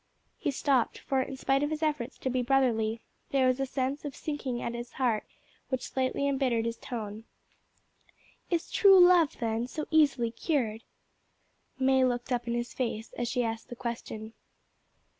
He stopped, for, in spite of his efforts to be brotherly, there was a sense of sinking at his heart which slightly embittered his tone. "Is true love, then, so easily cured?" May looked up in his face as she asked the question.